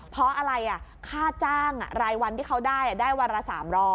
เพราะอะไรค่าจ้างรายวันที่เขาได้ได้วันละ๓๐๐